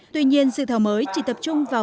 tuy nhiên dự thảo mới chỉ tập trung vào